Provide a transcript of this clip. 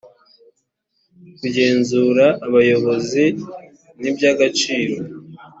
kugenzura abayobozi nibyagaciro